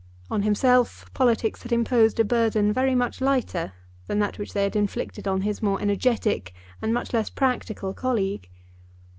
On himself politics had imposed a burden very much lighter than that which they had inflicted on his more energetic and much less practical colleague.